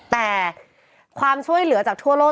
แต่ความช่วยเหลือจากทั่วโลก